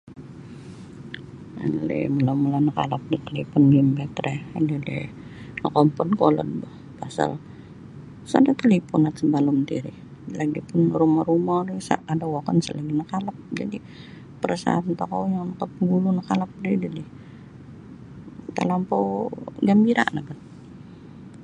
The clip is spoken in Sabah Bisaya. Elili mula-mula nakalap da talipun bimbit ri elili nakompod kolod bo pasal sada talipunat sabalum tiri lagi pun rumo-rumo ri sad ada wokon isa lagi ada nakalap jadi perasaan tokou yang nakapagulu nakalap ri elili talampau gambira no bat.